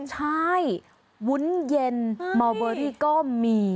ใช่วุ้นเย็นมอลเบอรี่ก็มี